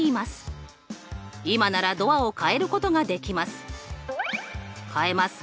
「今ならドアを変えることができます」。